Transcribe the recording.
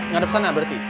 ngadep sana berarti